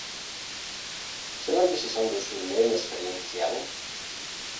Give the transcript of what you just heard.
Zelan bizi izan duzu lehen esperientzia hau?